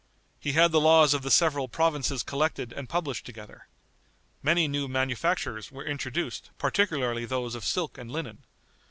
He had the laws of the several provinces collected and published together. Many new manufactures were introduced, particularly those of silk and linen.